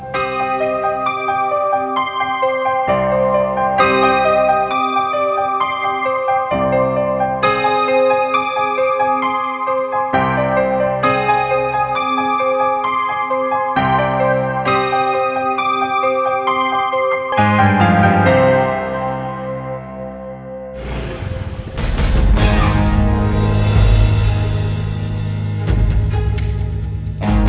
gak ada yang julid